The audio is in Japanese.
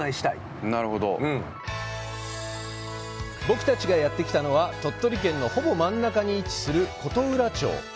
僕たちがやってきたのは、鳥取県のほぼ真ん中に位置する琴浦町。